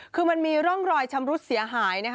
คือมันมีร่องรอยชำรุดเสียหายนะคะ